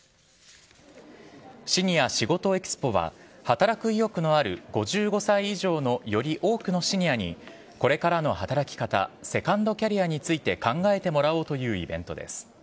シニアしごとＥＸＰＯは、働く意欲のある５５歳以上のより多くのシニアに、これからの働き方、セカンドキャリアについて考えてもらおうというイベントです